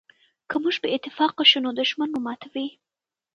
که موږ بې اتفاقه شو نو دښمن مو ماتوي.